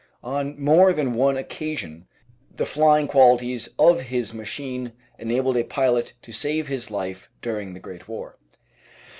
On more than one occasion the flying qualities of his machine enabled a pilot to save his life during the Great War.